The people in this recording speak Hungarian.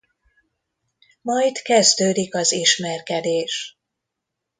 Majd kezdődik az ismerkedés.